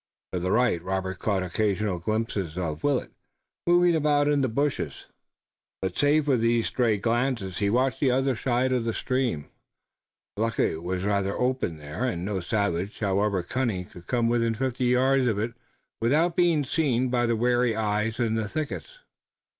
To the right Robert caught occasional glimpses of Willet, moving about in the bushes, but save for these stray glances he watched the other side of the stream. Luckily it was rather open there, and no savage, however cunning, could come within fifty yards of it without being seen by the wary eyes in the thickets.